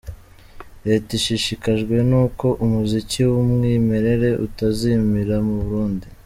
Leta ishishikajwe n’uko umuziki w’umwimerere utazimira burundu.